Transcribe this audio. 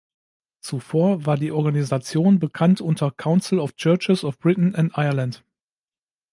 Zuvor war die Organisation bekannt unter "Council of Churches of Britain and Ireland".